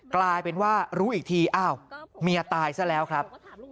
กลายเป็นว่ารู้อีกทีอ้าวเมียตายซะแล้วครับ